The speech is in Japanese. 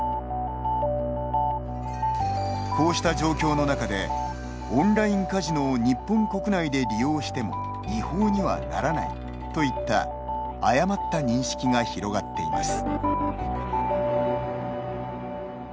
こうした状況の中で「オンラインカジノを日本国内で利用しても違法にはならない」といった誤った認識が広がっています。